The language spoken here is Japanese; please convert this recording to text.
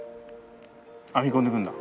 編み込んでいくんだ。